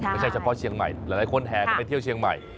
ไม่ใช่เฉพาะเชียงใหม่หลายคนแห่กันไปเที่ยวเชียงใหม่